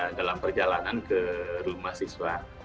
saya sudah berjalan ke rumah siswa